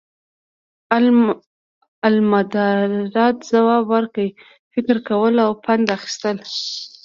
امالدرداء ځواب ورکړ، فکر کول او پند اخیستل.